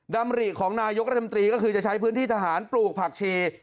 ดำริของนายกรัฐมนตรีก็คือจะใช้พื้นที่ทหารปลูกผักชี